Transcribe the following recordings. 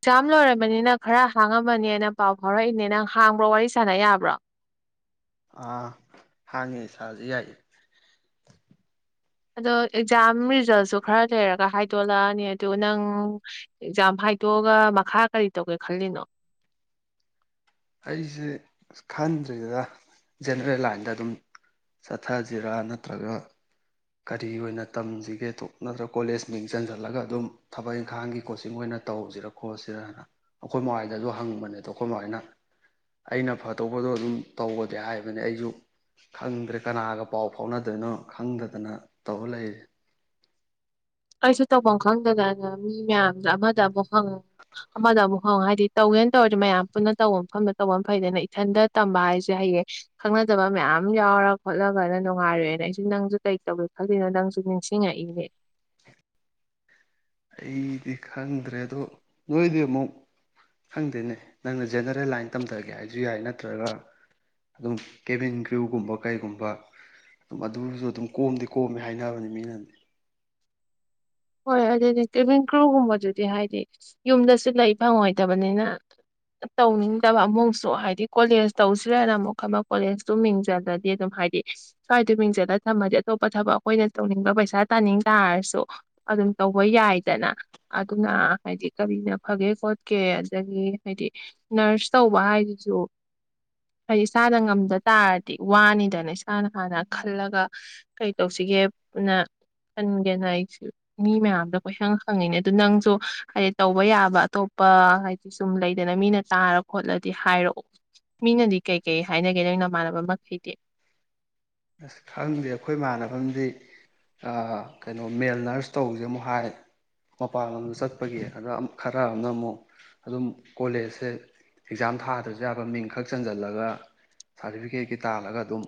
Exam ꯂꯣꯏꯔꯕꯅꯤꯅꯪ ꯈꯔ ꯍꯥꯡꯉꯝꯃꯅꯤꯅ ꯄꯥꯎ ꯐꯥꯎꯔꯛꯏꯅꯦ ꯅꯪ ꯍꯥꯡꯕ꯭ꯔꯣ ꯋꯥꯔꯤ ꯁꯥꯟꯅ ꯌꯥꯕ꯭ꯔꯣ ꯑꯥ ꯍꯥꯡꯉꯤ ꯁꯥꯁꯨ ꯌꯥꯏ ꯑꯗꯣ ꯑꯦꯛꯖꯥꯝ ꯔꯤꯖꯜꯁꯨ ꯈꯔ ꯂꯩꯔꯒ ꯍꯥꯏꯗꯣꯛꯂꯛꯑꯅꯤ ꯑꯗꯨ ꯅꯪ ꯑꯦꯛꯖꯥꯝ ꯍꯥꯏꯗꯣꯛꯑꯒ ꯃꯈꯥ ꯀꯔꯤ ꯇꯧꯒꯦ ꯈꯜꯂꯤꯅꯣ ꯑꯩꯁꯦ ꯈꯟꯗ꯭ꯔꯤꯗ ꯖꯦꯅꯦꯔꯦꯜ ꯂꯥꯏꯟꯗ ꯑꯗꯨꯝ ꯆꯠꯊꯁꯤꯔꯥ ꯅꯠꯇ꯭ꯔꯒ ꯀꯔꯤ ꯑꯣꯏꯅ ꯇꯝꯁꯤꯒꯦꯗꯣ ꯅꯠꯇ꯭ꯔꯒ ꯀꯣꯂꯦꯖ ꯃꯤꯡ ꯆꯟꯁꯤꯜꯂꯒ ꯑꯗꯨꯝ ꯊꯕꯛ ꯏꯪꯈꯥꯡꯒꯤ ꯀꯣꯆꯤꯡ ꯑꯣꯏꯅ ꯇꯧꯁꯤꯔꯥ ꯈꯣꯠꯁꯤꯔꯅ ꯑꯩꯈꯣꯏ ꯃꯋꯥꯏꯗ ꯑꯗꯨꯣ ꯍꯪꯕꯅꯦꯗꯣ ꯑꯩꯈꯣꯏ ꯃꯕꯥꯥꯏꯅ ꯑꯩꯅ ꯐꯗꯣꯛꯄꯗꯣ ꯑꯗꯨꯝ ꯇꯧꯒꯗꯦ ꯍꯥꯏꯕꯅꯦ ꯑꯩꯁꯨ ꯈꯪꯗ꯭ꯔꯦ ꯀꯅꯥꯒ ꯄꯥꯎ ꯐꯥꯎꯅꯗꯣꯏꯅꯣ ꯈꯪꯗ ꯑꯗꯨꯅ ꯇꯧꯧꯕ ꯂꯩ ꯑꯩꯁꯨ ꯇꯧꯐꯝ ꯈꯪꯗꯗꯅ ꯃꯤ ꯃꯌꯥꯝꯗ ꯑꯃꯗ ꯑꯃꯨꯛ ꯍꯪ ꯑꯃꯗ ꯑꯃꯨꯛ ꯍꯪꯉ ꯍꯥꯏꯗꯤ ꯇꯧꯒꯦꯅ ꯇꯧꯔꯗꯤ ꯃꯌꯥꯝ ꯄꯨꯟꯅ ꯇꯧꯕ ꯃꯐꯝꯗ ꯇꯧꯕꯐꯝ ꯐꯩꯗꯅ ꯏꯊꯟꯗ ꯇꯝꯕ ꯍꯥꯏꯁꯦ ꯍꯌꯦꯡ ꯈꯪꯅꯗꯕ ꯃꯌꯥꯝ ꯌꯥꯎꯔ ꯈꯣꯠꯂꯒꯅ ꯅꯨꯡꯉꯥꯏꯔꯑꯦꯅ ꯑꯩꯁꯨ ꯅꯪꯁꯨ ꯀꯩ ꯇꯧꯒꯦ ꯈꯪꯗꯦꯅꯣ ꯅꯪꯁꯨ ꯅꯤꯡꯁꯤꯡꯉꯛꯏꯅꯦ ꯑꯩꯗꯤ ꯈꯪꯗ꯭ꯔꯦ ꯑꯗꯣ ꯅꯣꯏꯗꯤ ꯑꯃꯨꯛ ꯈꯪꯗꯦꯅꯦ ꯅꯪꯅ ꯖꯦꯅꯔꯦꯜ ꯂꯥꯏꯟ ꯇꯝꯊꯒꯦ ꯍꯥꯏꯁꯨ ꯌꯥꯏ ꯅꯠꯇ꯭ꯔꯒ ꯑꯗꯨꯝ ꯀꯦꯚꯟ ꯀꯒ꯭ꯔꯨꯒꯨꯝꯕ ꯀꯩꯒꯨꯝꯕ ꯑꯗꯨꯝ ꯑꯗꯨꯁꯨ ꯑꯗꯨꯝ ꯀꯣꯝꯗꯤ ꯀꯣꯝꯃꯦ ꯍꯥꯏꯅꯕꯅꯤ ꯃꯤꯅꯗꯤ ꯍꯣꯏ ꯑꯗꯨꯗꯤ ꯀꯦꯚꯤꯡ ꯀ꯭ꯔꯨꯒꯨꯝꯕꯗꯨꯗꯤ ꯍꯥꯏꯗꯤ ꯌꯨꯝꯗꯁꯨ ꯂꯩ ꯐꯪꯉꯣꯏꯗꯕꯅꯤꯅ ꯇꯧꯅꯤꯡꯗꯕ ꯑꯃꯨꯛꯁꯨ ꯍꯥꯏꯗꯤ ꯀꯣꯂꯦꯖ ꯇꯧꯁꯤ꯭ꯔꯅ ꯑꯃꯨꯛ ꯑꯃ ꯑꯃꯛ ꯀꯣꯂꯦꯖꯇꯨ ꯃꯤꯡꯖꯜꯂꯗꯤ ꯑꯗꯨꯝ ꯍꯥꯏꯗꯤ ꯁ꯭ꯋꯥꯏꯗꯣ ꯃꯤꯡꯖꯜꯂ ꯊꯝꯃꯗꯤ ꯑꯇꯣꯞꯄ ꯊꯕꯛ ꯑꯩꯈꯣꯏꯅ ꯇꯧꯅꯤꯡꯕ ꯄꯩꯁꯥ ꯇꯥꯅꯤꯡ ꯇꯥꯔꯁꯨ ꯑꯗꯨꯝ ꯇꯧꯕ ꯌꯥꯏꯗꯅ ꯑꯗꯨꯅ ꯍꯥꯏꯗꯤ ꯀꯔꯤꯅ ꯐꯒꯦ ꯈꯣꯠꯀꯦ ꯑꯗꯒꯤ ꯍꯥꯏꯗꯤ ꯅꯔꯁ ꯇꯧꯕ ꯍꯥꯏꯁꯤꯁꯨ ꯍꯥꯏꯗꯤ ꯏꯁꯥꯅ ꯉꯝꯗ ꯇꯥꯔꯗꯤ ꯋꯥꯅꯤꯗꯅ ꯏꯁꯥꯅ ꯍꯥꯟꯅ ꯈꯜꯂꯒ ꯀꯩ ꯇꯧꯁꯤꯒꯦꯅ ꯈꯟꯒꯦꯅ ꯑꯩꯁꯨ ꯃꯤ ꯃꯌꯥꯝꯗꯣ ꯀꯣꯏ ꯁꯪ ꯈꯪꯉꯤꯅꯦ ꯑꯗꯨ ꯅꯪꯁꯨ ꯍꯥꯏꯗꯤ ꯇꯧꯕ ꯌꯥꯕ ꯑꯇꯣꯞꯄ ꯍꯥꯏꯗꯤ ꯁꯨꯝ ꯂꯩꯗꯅ ꯃꯤꯅ ꯇꯥꯔ ꯈꯣꯠꯂꯗꯤ ꯍꯥꯏꯔꯛꯑꯣ ꯃꯤꯅꯗꯤ ꯀꯩꯀꯩ ꯍꯥꯏꯅꯒꯦ ꯅꯪ ꯅꯃꯥꯟꯅꯕ ꯃꯈꯩꯗꯤ ꯑꯁ ꯈꯪꯗꯦ ꯑꯩꯈꯣꯏ ꯏꯃꯥꯟꯅꯅꯕꯗꯤ ꯀꯩꯅꯣ ꯃꯦꯜ ꯅꯔꯁ ꯇꯧꯕꯁꯦ ꯑꯃꯨꯛ ꯍꯥꯏ ꯃꯄꯥꯟ ꯂꯝꯗ ꯆꯠꯄꯒꯤ ꯑꯗ ꯈꯔ ꯑꯃꯅ ꯑꯃꯨꯛ ꯑꯗꯨꯝ ꯀꯣꯂꯦꯖꯁꯦ ꯑꯦꯛꯖꯥꯝ ꯊꯥꯗ꯭ꯔꯁꯨ ꯌꯥꯕ ꯃꯤꯡꯈꯛ ꯆꯟꯁꯤꯜꯂꯒ ꯁꯥꯔꯇꯤꯐꯤꯀꯦꯠꯀꯤ ꯇꯥꯜꯂꯒ ꯑꯗꯨꯝ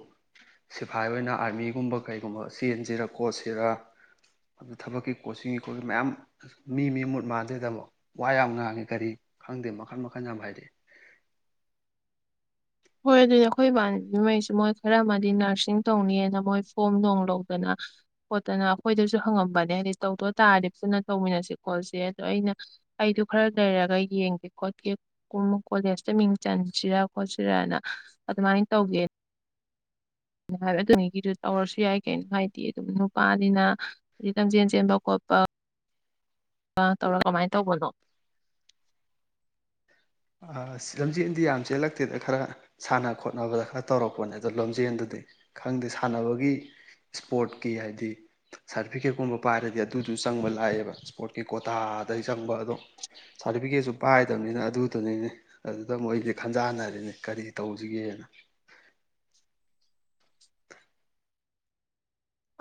ꯁꯤꯐꯥꯏ ꯑꯣꯏꯅ ꯑꯥꯔꯃꯤꯒꯨꯝꯕ ꯀꯩꯒꯨꯝꯕ ꯆꯦꯟꯁꯤꯔ ꯀꯣꯠꯆꯁꯤꯔ ꯑꯗꯨ ꯊꯕꯛꯀꯤ ꯀꯣꯆꯤꯡꯣꯠꯒꯤ ꯃꯌꯥꯝ ꯃꯤ - ꯃꯤ ꯃꯨꯠ ꯃꯥꯟꯗꯦꯗꯥꯃꯣ ꯋꯥ ꯌꯥꯝ ꯉꯥꯡꯉꯤ ꯀꯔꯤ ꯈꯪꯗꯦ ꯃꯈꯜ- ꯃꯈꯜ ꯌꯥꯝ ꯍꯥꯏꯔꯛꯏ꯫ ꯍꯣꯏ ꯑꯗꯨꯗꯤ ꯑꯩꯈꯣꯏ ꯏꯃꯥꯅꯕꯤ ꯉꯩꯁꯨ ꯃꯣꯏ ꯈꯔ ꯑꯃꯗꯤ ꯅꯔꯁꯤꯡ ꯇꯧꯅꯤꯅ ꯃꯣꯏ ꯐꯣꯝ ꯅꯨꯡ ꯂꯧꯗꯅ ꯈꯣꯠꯇꯅ ꯑꯩꯈꯣꯏꯗꯁꯨ ꯍꯪꯉꯝꯕꯅꯦ ꯍꯥꯏꯗꯤ ꯇꯧꯗ ꯇꯥꯔꯗꯤ ꯄꯨꯟꯅ ꯇꯧꯃꯤꯟꯅꯁꯤ ꯈꯣꯠꯁꯤꯅꯥ ꯑꯗꯣ ꯑꯩꯅ ꯑꯩꯗ ꯈꯔ ꯂꯩꯔꯒ ꯌꯦꯡꯒꯦ ꯈꯣꯠꯀꯦ ꯀꯣꯂꯦꯖꯇ ꯃꯤꯡ ꯆꯟꯁꯤꯔ ꯈꯣꯠ ꯁꯤꯔꯅ ꯑꯗꯨꯃꯥꯏꯅ ꯇꯧꯒꯦ ꯍꯥꯏꯕ ꯑꯗꯨꯅꯤꯒꯤꯗꯨ ꯇꯧꯔꯁꯨ ꯌꯥꯏ ꯀꯩꯅꯣ ꯍꯥꯏꯗꯤ ꯑꯗꯨꯝ ꯅꯨꯄꯥꯅꯤꯅ ꯍꯥꯏꯗꯤ ꯂꯝꯖꯦꯟ ꯆꯦꯟꯕ ꯈꯣꯠꯄ ꯑ ꯇꯧꯔ ꯀꯃꯥꯏꯅ ꯇꯧꯕꯅꯣ ꯂꯝꯖꯦꯟꯗꯤ ꯌꯥꯝ ꯆꯦꯜꯂꯛꯇꯦꯗ ꯈꯔ ꯁꯥꯟꯅ ꯈꯣꯠꯅꯕꯗ ꯈꯔ ꯇꯧꯔꯛꯄꯅꯦ ꯑꯗꯣ ꯂꯝꯖꯦꯜꯗꯨꯗꯤ ꯈꯪꯗꯦ ꯁꯥꯟꯅꯕꯒꯤ ꯏꯁꯄꯣꯔꯠꯀꯤ ꯍꯥꯏꯗꯤ ꯁꯥꯔꯇꯤꯐꯤꯀꯦꯠꯀꯨꯝꯕ ꯄꯥꯏꯔꯗꯤ ꯑꯗꯨꯁꯨ ꯆꯪꯕ ꯂꯥꯛꯑꯦꯕ ꯏꯁꯄꯣꯔꯠꯀꯤ ꯀꯣꯇꯥꯗꯒꯤ ꯆꯪꯕ ꯑꯗꯣ ꯁꯥꯔꯇꯤꯐꯤꯀꯦꯠꯁꯨ ꯄꯥꯏꯗꯕꯅꯤꯅ ꯑꯗꯨ ꯑꯗꯨꯅꯤꯅꯦ ꯑꯗꯨꯗ ꯃꯨꯛ ꯑꯩꯖꯦ ꯈꯟꯖꯅꯔꯤꯅꯦ ꯀꯔꯤ ꯇꯧꯁꯤꯒꯦꯅ꯫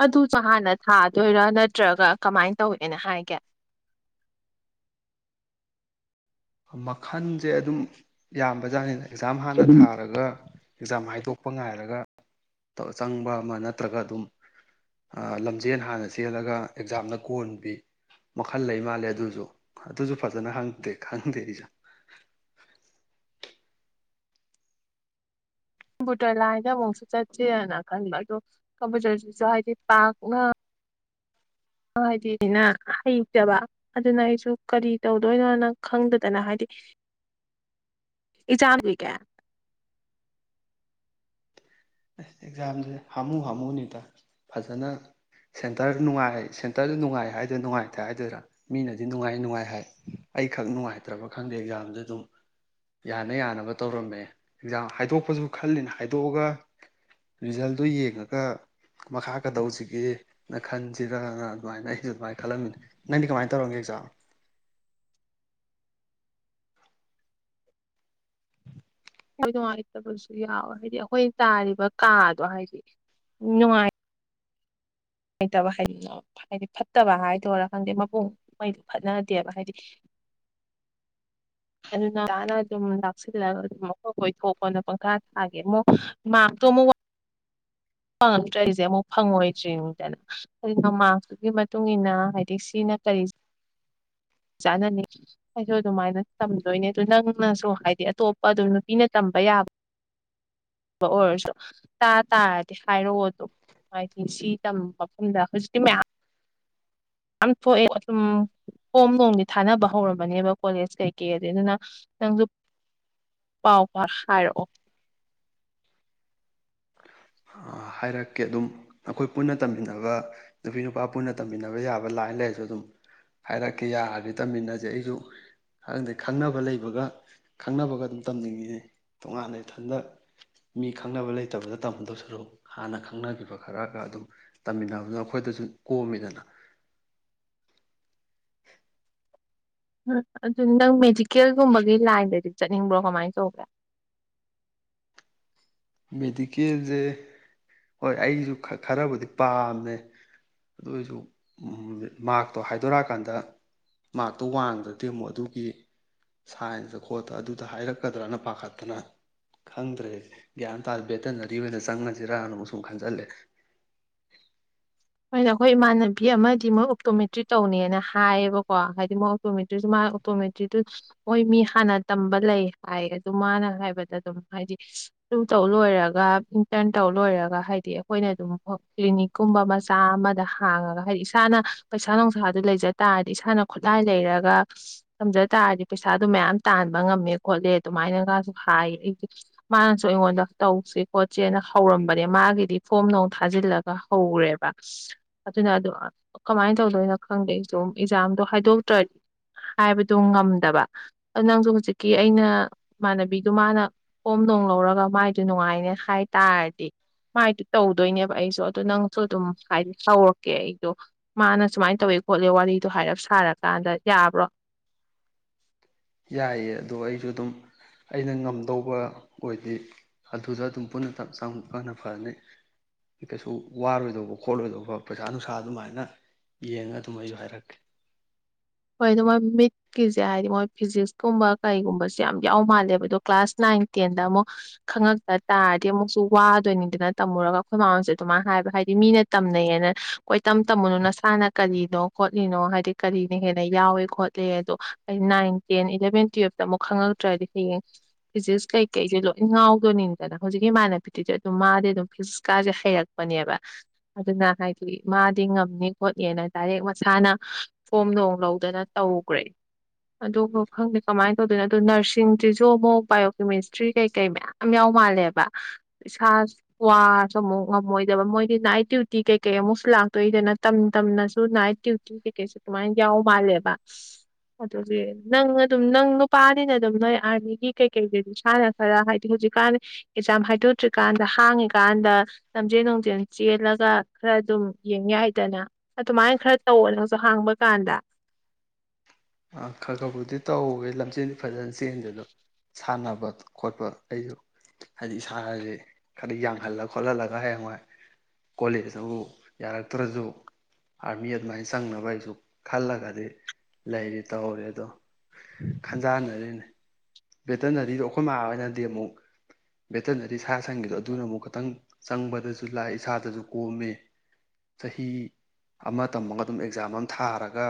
ꯑꯗꯨ ꯆ ꯍꯥꯟꯅ ꯊꯥꯗꯣꯏꯔꯥ ꯅꯠꯇ꯭ꯔꯒ ꯀꯃꯥꯏꯅ ꯇꯧꯅꯤꯅꯥ ꯍꯥꯏꯒꯦ? ꯃꯈꯜꯁꯦ ꯑꯗꯨꯝ ꯌꯥꯝꯕꯖꯥꯠꯅꯤꯅꯦ꯫ ꯑꯦꯛꯖꯥꯝ ꯍꯥꯟꯅ ꯊꯥꯔꯒ ꯑꯦꯛꯖꯥꯝ ꯍꯥꯏꯗꯣꯛꯄ ꯉꯥꯏꯔꯒ ꯆꯪꯕ ꯑꯃ ꯅꯠꯇ꯭ꯔꯒ ꯑꯗꯨꯝ ꯂꯝꯖꯦꯟ ꯍꯥꯟꯅ ꯆꯦꯜꯂꯒ ꯑꯦꯛꯖꯥꯝꯅ ꯀꯣꯟꯕꯤ ꯃꯈꯜ ꯂꯩ ꯃꯥꯜꯂꯦ ꯑꯗꯨꯁꯨ ꯑꯗꯨꯁꯨ ꯐꯖꯅ ꯈꯥꯪꯗꯦ꯫ ꯈꯪꯗꯦ ꯑꯩꯖꯨ ꯫ ꯀꯝꯄꯨꯇꯔ ꯂꯥꯏꯅ ꯑꯃꯨꯛꯁꯨ ꯆꯠꯁꯦꯅ ꯈꯟꯕ ꯑꯗ ꯀꯝꯄꯨꯇꯔꯁꯤꯁꯨ ꯍꯥꯏꯗꯤ ꯄꯥꯛꯅ ꯍꯥꯏꯗꯤꯅ ꯍꯩꯇꯕ ꯑꯗꯨꯅ ꯑꯩꯁꯨ ꯀꯔꯤ ꯇꯧꯗꯣꯏꯅꯣꯅ ꯈꯪꯗꯗꯅ ꯍꯥꯏꯗꯤ ꯑꯦꯛꯖꯥꯝ ꯑꯦꯁ ꯑꯦꯛꯖꯥꯝꯁꯦ ꯍꯥꯃꯨ ꯍꯥꯝꯃꯨꯅꯤꯗ ꯐꯖꯅ ꯁꯦꯟꯇꯔ ꯅꯨꯡꯉꯥꯏ ꯁꯦꯟꯇꯔꯗ ꯅꯨꯡꯉꯥꯏ ꯍꯥꯏꯗꯣꯏ ꯅꯨꯡꯉꯥꯏꯇꯦ ꯍꯥꯏꯗꯣꯏꯔ ꯃꯤꯅꯗꯤ ꯅꯨꯡꯉꯥꯏ- ꯅꯨꯡꯉꯥꯏ ꯍꯥꯏ ꯑꯩꯈꯛ ꯅꯨꯡꯉꯥꯏꯇ꯭ꯔꯕ ꯈꯪꯗꯦ ꯑꯦꯛꯖꯥꯝꯗ ꯑꯗꯨꯝ ꯌꯥꯅ- ꯌꯥꯅꯕ ꯇꯧꯔꯝꯃꯦ ꯑꯦꯛꯖꯥꯝ ꯍꯥꯏꯗꯣꯛꯄꯁꯨ ꯈꯜꯂꯤꯅ ꯍꯥꯏꯗꯣꯛꯑꯒ ꯔꯤꯖꯜꯗꯨ ꯌꯦꯡꯉꯒ ꯃꯈꯥ ꯀꯗꯧꯁꯤꯒꯦꯅ ꯈꯟꯁꯤꯔꯅ ꯑꯗꯨꯃꯥꯏꯅ ꯑꯩꯁꯨ ꯑꯗꯨꯃꯥꯏꯅ ꯈꯜꯂꯝꯃꯤꯅꯤ ꯅꯪꯗꯤ ꯀꯃꯥꯏꯅ ꯇꯧꯔꯝꯒꯦ ꯑꯦꯖꯥꯝ? ꯑꯩꯈꯣꯏ ꯅꯨꯡꯉꯥꯏꯇꯕꯁꯨ ꯌꯥꯎꯋꯦ ꯍꯥꯏꯗꯤ ꯑꯩꯈꯣꯏꯅ ꯇꯥꯔꯤꯕ ꯀꯥꯗꯣ ꯍꯥꯏꯗꯤ ꯅꯨꯡꯉꯥꯏ ꯂꯩꯩꯇꯕ ꯍꯥꯏ ꯍꯥꯏꯗꯤ ꯐꯠꯇꯕ ꯍꯥꯏꯗꯣꯏꯔꯥ ꯈꯪꯗꯦ ꯃꯄꯨꯡꯉꯩꯗꯨ ꯐꯠꯅꯗꯦꯕ ꯍꯥꯏꯗꯤ ꯑꯗꯨꯅ ꯑꯣꯖꯥꯅ ꯑꯗꯨꯝ ꯂꯥꯛꯁꯤꯜꯂꯒ ꯑꯗꯨꯝ ꯑꯩꯈꯣꯏ ꯀꯣꯏꯊꯣꯛꯀꯅ ꯄꯪꯈꯥ ꯊꯥꯒꯦ ꯑꯃꯨꯛ ꯃꯥꯞꯇꯣ ꯑꯃꯨꯛ ꯐꯪꯉꯛꯇ꯭ꯔꯔꯤꯁꯦ ꯑꯃꯨꯛ ꯐꯪꯉꯣꯏꯗ꯭ꯔꯤꯅꯤꯗꯅ ꯑꯗꯨꯅ ꯃꯥꯛꯁꯇꯨꯒꯤ ꯃꯇꯨꯡ ꯏꯟꯅ ꯍꯥꯏꯗꯤ ꯁꯤꯅ ꯀꯔꯤ ꯆꯅꯅꯤ ꯍꯥꯏꯁꯨ ꯑꯗꯨꯃꯥꯏꯅ ꯇꯝꯗꯣꯏꯅꯦ ꯑꯗꯨꯣ ꯅꯪꯅꯁꯨ ꯍꯥꯏꯗꯤ ꯑꯇꯣꯞꯄ ꯑꯗꯨꯝ ꯅꯨꯄꯤꯅ ꯇꯝꯕ ꯌꯥꯕꯕ ꯑꯣꯏꯔꯁꯨ ꯇꯥ ꯇꯥꯔꯗꯤ ꯍꯥꯏꯔꯛꯑꯣ ꯑꯗꯨꯝ ꯍꯥꯏꯗꯤ ꯁꯤ ꯇꯝꯕ ꯃꯐꯝꯗ ꯍꯧꯖꯤꯛꯇꯤ ꯃꯌꯥꯝ ꯌꯥꯝ ꯊꯣꯛꯑꯦ ꯑꯗꯨꯝ ꯐꯣꯝ ꯅꯣꯡꯗꯤ ꯊꯥꯅꯕ ꯍꯧꯔꯕꯅꯦꯕ ꯀꯣꯂꯦꯖ ꯀꯩꯀꯩ ꯑ ꯑꯗꯨꯅ ꯅꯪꯁꯨ ꯄꯥꯎ ꯄꯥꯎ ꯍꯥꯏꯔꯛꯑꯣ꯫ ꯍꯥꯏꯔꯛꯀꯦ ꯑꯗꯨꯝ ꯑꯩꯈꯣꯏ ꯄꯨꯟꯅ ꯇꯝꯃꯤꯟꯅꯕ ꯅꯨꯄꯤ ꯅꯨꯄꯥ ꯄꯨꯟꯅ ꯇꯝꯃꯤꯟꯅꯕ ꯌꯥꯕ ꯂꯥꯏꯟ ꯂꯩꯔꯁꯨ ꯑꯗꯨꯝ ꯍꯥꯏꯔꯛꯀꯦ ꯌꯥꯔꯗꯤ ꯇꯝꯃꯤꯟꯅꯁꯦ ꯑꯩꯁꯨ ꯍꯪꯗꯩ ꯈꯪꯅꯕ ꯂꯩꯕꯒ ꯈꯪꯅꯕꯒ ꯑꯗꯨꯝ ꯇꯝꯅꯤꯡꯉꯤꯅꯤ ꯇꯣꯉꯥꯟꯅ ꯏꯊꯟꯇ ꯃꯤ ꯈꯪꯅꯕ ꯂꯩꯇꯕꯗ ꯇꯝꯗꯧꯁꯨ ꯍꯥꯟꯅ ꯈꯪꯅꯈꯤꯕ ꯈꯔꯒ ꯑꯗꯨꯝ ꯇꯝꯃꯤꯟꯅꯕꯗꯨꯅ ꯑꯩꯈꯣꯏꯗꯁꯨ ꯀꯣꯝꯃꯤꯗꯅ꯫ ꯑꯗꯨ ꯅꯪ ꯃꯦꯗꯤꯀꯦꯜꯒꯨꯝꯕꯒꯤ ꯂꯥꯏꯟꯗꯗꯤ ꯆꯠꯅꯤꯡꯕ꯭ꯔꯣ ꯀꯃꯥꯏꯅ ꯇꯧꯒꯦ? ꯃꯦꯗꯤꯀꯦꯜꯁꯦ ꯍꯣꯏ ꯑꯩꯁꯨ ꯈꯔꯕꯨꯗꯤ ꯄꯥꯝꯃꯦ ꯑꯗꯨ ꯑꯣꯏꯁꯨ ꯃꯥꯔꯛꯇꯣ ꯍꯥꯏꯗꯣꯔꯛꯑꯀꯥꯟꯗ ꯃꯥꯔꯛꯇꯣ ꯋꯥꯡꯗ꯭ꯔꯗꯤ ꯑꯃꯨꯛ ꯑꯗꯨꯒꯤ ꯁꯥꯏꯟꯁꯇ ꯈꯣꯠꯇ ꯑꯗꯨꯗ ꯍꯥꯏꯔꯛꯀꯗ꯭ꯔꯅ ꯄꯥꯈꯠꯇꯅ ꯈꯪꯗ꯭ꯔꯦꯁꯦ꯫ ꯒ꯭ꯌꯥꯟ ꯇꯥꯗꯔ꯭ꯦ ꯕꯦꯇꯅꯔꯤ ꯑꯣꯏꯅ ꯆꯪꯅꯁꯤꯔꯥꯅꯨ ꯁꯨꯝ ꯈꯟꯖꯤꯜꯂꯦ꯫ ꯍꯣꯏꯅ ꯑꯩꯈꯣꯏ ꯏꯃꯥꯟꯅꯕꯤ ꯑꯃꯗꯤ ꯃꯣꯏ ꯑꯣꯛꯇꯣꯃꯦꯇ꯭ꯔꯤꯛ ꯇꯧꯅꯦꯅ ꯍꯥꯏꯌꯦꯕꯀꯣ ꯍꯥꯏꯗꯤ ꯃꯣꯏ ꯑꯣꯛꯇꯣꯃꯦꯇ꯭ꯔꯤꯁꯨ ꯃꯥ ꯑꯣꯛꯇꯣꯃꯦꯇ꯭ꯔꯤꯛꯇꯨ ꯃꯣꯏ ꯃꯤ ꯍꯥꯟꯅ ꯇꯝꯕ ꯂꯩ ꯍꯥꯏ ꯑꯗꯨ ꯃꯥꯅ ꯍꯥꯏꯕꯗ ꯑꯗꯨꯝ ꯍꯥꯏꯗꯤ ꯇꯨ ꯇꯧ ꯂꯣꯏꯔꯒ ꯏꯟꯇꯔꯟ ꯇꯧ ꯂꯣꯏꯔꯒ ꯍꯥꯏꯗꯤ ꯑꯩꯈꯣꯏꯅ ꯑꯗꯨꯝ ꯀ꯭ꯂꯤꯅꯤꯛꯀꯨꯝꯕ ꯆꯥ ꯑꯃꯗ ꯍꯥꯡꯉꯒ ꯍꯥꯏꯗꯤ ꯏꯁꯥꯅ ꯄꯩꯁꯥ ꯅꯨꯡꯁꯥꯗꯨ ꯂꯩꯖ ꯇꯥꯔꯗꯤ ꯏꯁꯥꯅ ꯈꯨꯠꯂꯥꯏ ꯂꯩꯔꯒ ꯊꯝꯖ ꯇꯥꯔꯗꯤ ꯄꯩꯁꯥꯗꯨ ꯃꯌꯥꯝ ꯇꯥꯟꯕ ꯉꯝꯃꯦ ꯈꯣꯠꯂꯦ ꯑꯗꯨꯃꯥꯏꯅꯒꯁꯨ ꯍꯥꯏꯌꯦ ꯑꯩ ꯃꯥꯅꯁꯨ ꯑꯩꯉꯣꯟꯗ ꯇꯧꯁ ꯈꯣꯠꯁꯦꯅ ꯍꯧꯔꯝꯕꯅꯦ ꯃꯥꯒꯤꯗꯤ ꯐꯣꯝ ꯅꯨꯡ ꯊꯥꯖꯤꯜꯂꯒ ꯍꯧꯔꯦꯕ ꯑꯗꯨꯅ ꯑꯗꯨ ꯀꯃꯥꯏꯅ ꯇꯧꯗꯣꯏꯅꯣ ꯈꯪꯗꯦ ꯑꯩꯁꯨ ꯑꯗꯨꯝ ꯑꯦꯛꯖꯥꯝꯗꯣ ꯍꯥꯏꯗꯣꯛꯇ꯭ꯔꯗꯤ ꯍꯥꯏꯕꯗꯣ ꯉꯝꯗꯕ ꯑꯗꯨ ꯅꯪꯁꯨ ꯍꯧꯖꯤꯛꯀꯤ ꯑꯩꯅ ꯏꯃꯥꯟꯅꯕꯤꯗꯨ ꯃꯥꯅ ꯐꯣꯝ ꯅꯨꯡ ꯂꯧꯔꯒ ꯃꯥꯏꯗꯨ ꯅꯨꯡꯉꯥꯏꯅꯦ ꯍꯥꯏ ꯇꯥꯔꯗꯤ ꯃꯥꯏꯗꯨ ꯇꯧꯗꯣꯏꯅꯦꯕ ꯑꯩꯁꯨ ꯑꯗꯨꯗ ꯅꯪꯁꯨ ꯑꯗꯨꯝ ꯍꯥꯏꯗꯤ ꯍꯧꯔꯛꯀꯦ ꯑꯩꯗꯣ ꯃꯥꯅ ꯁꯨꯃꯥꯏꯅ ꯇꯧꯋꯦ ꯈꯣꯠꯂꯦ ꯋꯥꯔꯤꯗꯣ ꯍꯥꯏꯔꯞ ꯁꯥꯔꯀꯥꯟꯗ ꯌꯥꯕ꯭ꯔꯣ? ꯌꯥꯏꯌꯦ ꯑꯗꯣ ꯑꯩꯁꯨ ꯑꯗꯨꯝ ꯑꯩꯅ ꯉꯝꯗꯧꯕ ꯑꯣꯏꯗꯤ ꯑꯗꯨꯗ ꯑꯗꯨꯝ ꯄꯨꯟꯅ ꯇꯝ ꯆꯪꯕꯅꯥ ꯐꯔꯥꯅꯤ ꯀꯩꯁꯨ ꯋꯥꯔꯣꯏꯗꯧꯕ ꯈꯣꯠꯂꯣꯏꯗꯧꯕ ꯄꯩꯁꯥ ꯅꯨꯡꯁꯥ ꯑꯗꯨꯃꯥꯏꯅ ꯌꯦꯡꯉ ꯑꯗꯨꯝ ꯑꯩꯁꯨ ꯍꯥꯏꯔꯛꯀꯦ꯫ ꯍꯣꯏ ꯑꯗꯨ ꯃꯣꯏ ꯃꯤꯠꯀꯤꯁꯦ ꯍꯥꯏꯗꯤ ꯃꯣꯏ ꯐꯤꯖꯤꯛꯁꯀꯨꯝꯕ ꯀꯩꯒꯨꯝꯕꯁꯦ ꯌꯥꯝ ꯌꯥꯎ ꯃꯥꯜꯂꯦꯕ ꯑꯗꯣ ꯀ꯭ꯂꯥꯁ ꯅꯥꯏꯟ ꯇꯦꯟꯗ ꯑꯃꯨꯛ ꯈꯪꯉꯛꯇ ꯇꯥꯔꯗꯤ ꯑꯃꯨꯛꯁꯨ ꯋꯥꯗꯣꯏꯅꯤꯗꯅ ꯇꯝꯃꯨꯔꯒ ꯑꯩꯈꯣꯏ ꯍꯣꯌꯁꯨ ꯑꯗꯨꯃꯥꯏꯅ ꯍꯥꯏꯕ ꯍꯥꯏꯗꯤ ꯃꯤꯅ ꯇꯝꯅꯩꯌꯦꯅ ꯀꯣꯏ ꯇꯝ ꯇꯝꯃꯨꯅꯨ ꯅꯁꯥꯅ ꯀꯔꯤꯅꯣ ꯈꯣꯠꯂꯤꯅꯣ ꯍꯥꯏꯗꯤ ꯀꯔꯤ ꯍꯦꯟꯅ ꯌꯥꯎꯏꯦ ꯈꯣꯠꯂꯤ ꯑꯗꯣ ꯑꯩ ꯅꯥꯏꯟ ꯇꯦꯟ ꯏꯂꯚꯦꯟ ꯇꯨꯌꯦꯜꯞꯇ ꯑꯃꯨꯛ ꯈꯪꯉꯛꯇ꯭ꯔꯗꯤ ꯍꯌꯦꯡ ꯐꯤꯖꯤꯛꯁ ꯀꯩꯀꯩꯁꯦ ꯂꯣꯏ ꯉꯥꯎꯗꯣꯏꯅꯤꯗꯅ ꯍꯧꯖꯤꯛꯀꯤ ꯏꯃꯥꯟꯅꯕꯤꯇꯗꯤ ꯑꯗꯨꯝ ꯃꯥꯗꯤ ꯑꯗꯨꯝ ꯐꯤꯖꯤꯛꯁꯀꯥꯁꯦ ꯍꯩꯔꯛꯄꯅꯦꯕ ꯑꯗꯨꯅ ꯍꯥꯏꯗꯤ ꯃꯥꯗꯤ ꯉꯝꯅꯤ ꯈꯣꯠꯅꯤꯅ ꯗꯥꯏꯔꯦꯛ ꯃꯁꯥꯅ ꯐꯣꯝ ꯅꯨꯪ ꯂꯧꯗꯅ ꯇꯧꯈ꯭ꯔꯦ ꯑꯗꯨ ꯈꯪꯗꯦ ꯀꯃꯥꯏꯅ ꯇꯧꯗꯣꯏꯅꯣ ꯑꯗꯨꯣ ꯅꯔꯁꯤꯡꯁꯤꯁꯨ ꯑꯃꯨꯛ ꯕꯥꯏꯑꯣꯀꯦꯃꯤꯁꯇ꯭ꯔꯤ ꯀꯩꯀꯩ ꯃꯌꯥꯝ ꯌꯥꯎ ꯃꯥꯜꯂꯦꯕ ꯏꯁꯥ ꯋꯥꯁꯨ ꯑꯃꯨꯛ ꯉꯝꯃꯣꯏꯗꯕ ꯃꯣꯏꯗꯤ ꯅꯥꯏꯠ ꯗ꯭ꯌꯨꯇꯤ ꯀꯩꯀꯩ ꯑꯃꯨꯛꯁꯨ ꯂꯥꯛꯇꯣꯏꯏꯗꯅ ꯇꯝ ꯇꯝꯅꯁꯨ ꯅꯥꯏꯠ ꯗ꯭ꯌꯨꯇꯤ ꯀꯩꯀꯩꯁꯨ ꯑꯗꯨꯃꯥꯏꯅ ꯌꯥꯎ ꯃꯥꯜꯂꯦꯕ ꯑꯗꯨꯗꯤ ꯅꯪ ꯑꯗꯨꯝ ꯅꯪ ꯅꯨꯄꯥꯅꯤꯅ ꯑꯗꯨꯝ ꯅꯣꯏ ꯑꯥꯔꯃꯤꯒꯤ ꯀꯩꯀꯩꯗꯗꯤ ꯏꯁꯥꯅ ꯈꯔ ꯍꯥꯏꯗꯤ ꯍꯧꯖꯤꯛꯀꯥꯟ ꯑꯦꯛꯖꯥꯝ ꯍꯥꯏꯗꯣꯛꯇ꯭ꯔꯤꯀꯥꯟꯗ ꯍꯥꯡꯉꯤꯀꯥꯟꯗ ꯂꯝꯖꯦꯟ ꯅꯨꯪꯖꯦꯜ ꯆꯦꯜꯂꯒ ꯈꯔ ꯑꯗꯨꯝ ꯌꯦꯡ ꯌꯥꯏꯗꯅ ꯑꯗꯨꯃꯥꯏꯅ ꯈꯔ ꯇꯧ ꯅꯪꯁꯨ ꯍꯥꯡꯕ ꯀꯥꯟꯗ ꯈ ꯈꯕꯨꯗꯤ ꯇꯧꯋꯦ ꯂꯝꯆꯦꯜꯗꯤ ꯐꯖꯅ ꯆꯦꯟꯗꯦ ꯑꯗꯣ ꯁꯥꯟꯅꯕ ꯈꯣꯠꯄ ꯑꯩꯁꯨ ꯍꯥꯏꯗꯤ ꯏꯁꯥꯟꯅꯁꯤ ꯈꯔ ꯌꯥꯡꯍꯜꯂ ꯈꯣꯠꯍꯜꯂꯒ ꯍꯌꯦꯡꯋꯥꯏ ꯀꯣꯂꯦꯖꯇ ꯌꯥꯔꯛꯇ꯭ꯔꯁꯨ ꯑꯥꯔꯃꯤ ꯑꯗꯨꯃꯥꯏꯅ ꯆꯪꯅꯕ ꯑꯩꯁꯨ ꯈꯜꯂꯒꯗꯤ ꯂꯩꯔꯤ ꯇꯧꯔꯦ ꯑꯗꯣ ꯈꯟꯖꯅꯔꯤꯅꯦ꯫ ꯕꯦꯇꯅꯔꯤꯗꯣ ꯑꯩꯈꯣꯏ ꯃꯥꯥ ꯑꯣꯏꯅꯗꯤ ꯑꯃꯨꯛ ꯚꯦꯇꯅꯔꯤ ꯁꯥ ꯁꯟꯒꯤꯗꯣ ꯑꯗꯨꯅ ꯑꯃꯨꯛ ꯈꯤꯇꯪ ꯆꯪꯕꯗꯁꯨ ꯂꯥꯏ ꯏꯁꯥꯗꯁꯨ ꯀꯣꯝꯃꯤ ꯆꯍꯤ ꯑꯃ ꯇꯝꯃꯒ ꯑꯗꯨꯝ ꯑꯦꯛꯖꯥꯝ ꯑꯃ ꯊꯥꯔꯒ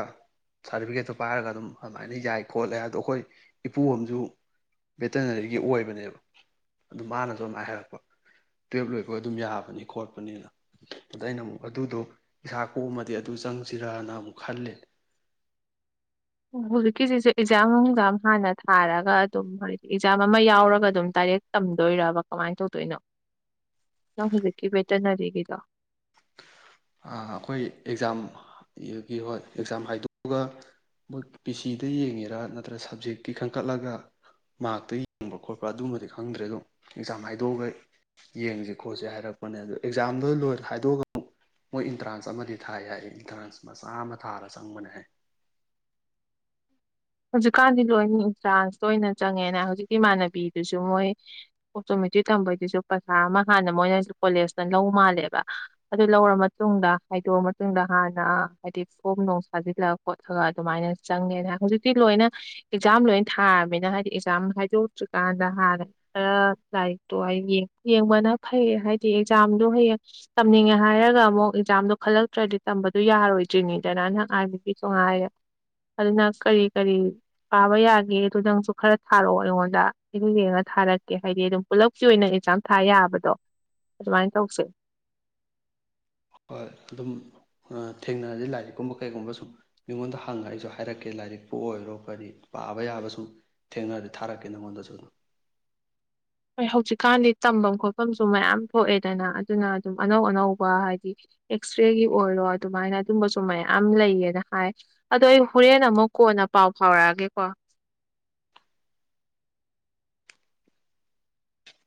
ꯁꯥꯔꯇꯤꯐꯤꯀꯦꯠꯇꯣ ꯄꯥꯏꯔꯒ ꯑꯗꯨꯝ ꯑꯗꯨꯃꯥꯏꯅ ꯌꯥꯏ ꯈꯣꯠꯂꯦ ꯍꯥꯏꯗꯣ ꯑꯩꯈꯣꯏ ꯏꯄꯨ ꯑ ꯑꯃꯁꯨ ꯚꯦꯇꯅꯔꯤꯒꯤ ꯑꯣꯏꯕꯅꯦꯕ ꯑꯗꯨ ꯃꯥꯅꯁꯨ ꯑꯗꯨꯥꯏꯅ ꯍꯥꯏꯔꯛꯄ ꯇꯨꯋꯦꯜꯞ ꯂꯣꯏꯕ ꯑꯗꯨꯝ ꯌꯥꯕꯅꯤ ꯈꯣꯠꯄꯅꯤꯅ ꯑꯗ ꯑꯩꯅ ꯑꯃꯨꯛ ꯑꯗꯨꯗꯣ ꯏꯁꯥ ꯀꯣꯛꯃꯗꯤ ꯑꯗꯨ ꯆꯪꯁꯤꯔꯅ ꯑꯃꯨꯛ ꯈꯜꯂꯤ꯫ ꯍꯧꯖꯤꯛꯀꯤꯁꯤꯁꯨ ꯑꯦꯛꯖꯥꯝ ꯅꯨꯡꯖꯥꯝ ꯍꯥꯟꯅ ꯊꯥꯔꯒ ꯑꯗꯨꯝ ꯍꯥꯏꯗꯤ ꯑꯦꯛꯖꯥꯝ ꯑꯃ ꯌꯥꯎꯔꯒ ꯑꯗꯨꯝ ꯗꯥꯏꯔꯦꯛ ꯇꯝꯗꯣꯏꯔꯕ ꯀꯃꯥꯏꯅ ꯇꯧꯗꯣꯏꯅꯣ ꯅꯪ ꯍꯧꯖꯤꯛꯀꯤ ꯚꯦꯇꯅꯔꯤꯒꯤꯗꯣ? ꯑꯩꯈꯣꯏ ꯑꯦꯛꯖꯥꯝꯒꯤ ꯍꯣꯏ ꯑꯦꯛꯖꯥꯝ ꯍꯥꯏꯗꯣꯛꯑꯒ ꯃꯣꯏ ꯄꯤ ꯁꯤꯗ ꯌꯦꯡꯉꯤꯔꯥ ꯅꯠꯇ꯭ꯔ ꯁꯕꯖꯦꯛꯀꯤ ꯈꯟꯀꯠꯂꯒ ꯃꯥꯔꯛꯇ ꯌꯦꯡꯕ ꯈꯣꯠꯄ ꯑꯗꯨꯝꯕꯗꯤ ꯈꯪꯗ꯭ꯔꯦ ꯑꯗꯨꯝ ꯑꯦꯛꯖꯥꯝ ꯍꯥꯏꯗꯣꯛꯑꯒ ꯌꯦꯡꯁꯦ ꯈꯣꯠꯁꯦ ꯍꯥꯏꯔꯛꯄꯅꯦ ꯑꯗꯣ ꯑꯦꯛꯖꯥꯝꯗꯣ ꯂꯣꯏꯅ ꯍꯥꯏꯗꯣꯛꯑꯒ ꯑꯃꯨꯛ ꯃꯣꯏ ꯑꯦꯟꯇ꯭ꯔꯥꯟꯁ ꯑꯃꯗꯤ ꯊꯥꯏ ꯍꯥꯏ ꯑꯦꯟꯇ꯭ꯔꯥꯟꯁ ꯃꯆꯥ ꯑꯃ ꯊꯥꯔ ꯆꯪꯕꯅꯦ ꯍꯥꯏ꯫ ꯍꯧꯖꯤꯛꯀꯥꯟꯗꯤ ꯂꯣꯏꯅ ꯏꯟꯇ꯭ꯔꯥꯟꯁꯇꯅ ꯆꯪꯉꯦꯅ ꯍꯧꯖꯤꯛꯀꯤ ꯏꯃꯥꯟꯅꯕꯤꯗꯨꯁꯨ ꯃꯣꯏ ꯑꯣꯇꯣꯃꯦꯇꯤꯛ ꯊꯝꯕꯩꯗꯨꯁꯨ ꯄꯩꯁꯥ ꯑꯃ ꯍꯥꯟꯅ ꯃꯣꯏꯅꯁꯨ ꯀꯣꯂꯦꯖꯇ ꯂꯧ ꯃꯥꯜꯂꯦꯕ ꯑꯗꯨ ꯂꯧꯔ ꯃꯇꯨꯡꯗ ꯍꯥꯏꯗꯣꯛꯑ ꯃꯇꯨꯡꯗ ꯍꯥꯟꯅ ꯍꯥꯏꯗꯤ ꯐꯣꯝ ꯅꯨꯡ ꯊꯥꯖꯤꯜꯂ ꯈꯣꯠꯂꯒ ꯑꯗꯨꯃꯥꯏꯅ ꯆꯪꯉꯦꯅ ꯍꯧꯖꯤꯛ ꯇꯤ ꯂꯣꯏꯅ ꯑꯦꯛꯖꯥꯝ ꯂꯣꯏꯅ ꯊꯥꯔꯕꯃꯤꯅ ꯍꯥꯏꯗꯤ ꯑꯦꯛꯖꯥꯝ ꯍꯥꯏꯗꯣꯛꯇ꯭ꯔꯤꯀꯥꯟꯗ ꯍꯥꯟꯅ ꯈꯔ ꯂꯥꯏꯔꯤꯛꯇꯣ ꯑꯩ ꯌꯦꯡꯕꯅ ꯐꯩ ꯍꯥꯏꯗꯤ ꯑꯦꯛꯖꯥꯝꯗꯣ ꯍꯌꯦꯡ ꯇꯝꯅꯤꯡꯉꯦ ꯍꯥꯏꯔꯒ ꯑꯃꯨꯛ ꯑꯦꯛꯖꯥꯝꯗꯣ ꯈꯜꯂꯛꯇ꯭ꯔꯗꯤ ꯇꯝꯕꯗꯨ ꯌꯥꯔꯣꯏꯗ꯭ꯔꯤꯅꯤꯗꯅ ꯅꯪ ꯑꯥꯔꯃꯤꯒꯤꯁꯨ ꯉꯥꯏꯔꯦ ꯑꯗꯨꯅ ꯀꯔꯤ ꯀꯔꯤ ꯄꯥꯕ ꯌꯥꯒꯦ ꯑꯗꯨꯗ ꯅꯪꯁꯨ ꯈꯔ ꯊꯥꯔꯛꯑꯣ ꯑꯩꯉꯣꯟꯗ ꯑꯩꯗ ꯌꯦꯡꯉ ꯊꯥꯔꯛꯀꯦ ꯍꯥꯏꯗꯤ ꯑꯗꯨꯝ ꯄꯨꯂꯞꯀꯤ ꯑꯣꯏꯅ ꯑꯦꯛꯖꯥꯝ ꯊꯥ ꯌꯥꯕꯗꯣ ꯑꯗꯨꯃꯥꯏꯅ ꯇꯧꯁꯦ꯫ ꯍꯣꯏ ꯑꯗꯨꯝ ꯊꯦꯡꯅꯔꯗꯤ ꯂꯥꯏꯔꯤꯛꯀꯨꯝꯕ ꯀꯩꯒꯨꯝꯕ ꯁꯨꯝ ꯃꯤꯉꯣꯟꯗ ꯍꯪꯉ ꯑꯩꯁꯨ ꯍꯥꯏꯔꯛꯀꯦ ꯂꯥꯏꯔꯤꯛꯄꯨ ꯑꯣꯏꯔꯣ ꯀꯔꯤ ꯄꯥꯕ ꯌꯥꯕ ꯁꯨꯝ ꯊꯦꯡꯅꯔꯗꯤ ꯊꯥꯔꯛꯀꯦ ꯅꯉꯣꯟꯗꯁꯨ ꯑꯗꯨꯝ꯫ ꯍꯣꯏ ꯍꯧꯖꯤꯛꯀꯥꯟꯗꯤ ꯇꯝꯐꯝ ꯈꯣꯠꯐꯝꯁꯨ ꯃꯌꯥꯝ ꯊꯣꯛꯑꯦꯗꯅ ꯑꯗꯨꯅ ꯑꯗꯨꯝ ꯑꯅꯧ- ꯑꯅꯧꯕ ꯍꯥꯏꯗꯤ ꯑꯦꯛꯁꯔꯦꯒꯤ ꯑꯣꯏꯔꯣ ꯑꯗꯨꯃꯥꯏꯅ ꯑꯗꯨꯝꯕꯁꯨ ꯃꯌꯥꯝ ꯂꯩꯌꯦꯅ ꯍꯥꯏ ꯑꯗꯣ ꯑꯩ ꯍꯣꯔꯦꯟ ꯑꯃꯨꯛ ꯀꯣꯟꯅ ꯄꯥꯎ ꯐꯥꯎꯔꯛꯑꯒꯦꯀꯣ꯫